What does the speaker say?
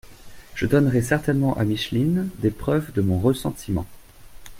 Je donnerais certainement à Micheline des preuves de mon ressentiment…